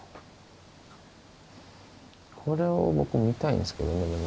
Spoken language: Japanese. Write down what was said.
これを僕見たいんですけどね。